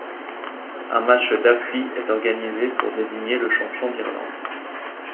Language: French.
Un match d’appui est organisé pour désigner le champion d’Irlande.